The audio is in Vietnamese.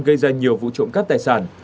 gây ra nhiều vụ trộm cắp tài sản